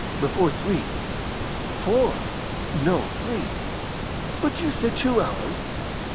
"Before three." "Four." "No, three." "But you said two hours."